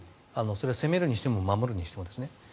それは攻めるにしても守るにしてもですね。